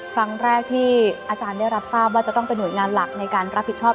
ครั้งแรกที่อาจารย์ได้รับทราบว่าจะต้องเป็นห่วยงานหลักในการรับผิดชอบ